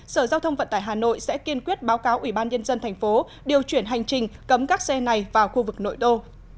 sở giao thông vận tải hà nội sẽ kiên quyết báo cáo ủy ban nhân dân thành phố điều chuyển hành trình cấm các xe này vào khu vực nội đô